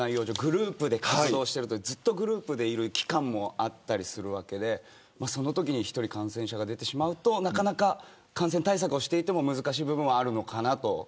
上グループで活動してるとずっとグループでいる期間もあったりするわけでそのときに１人感染者が出てしまうとなかなか感染対策をしていても難しい部分はあるのかなと。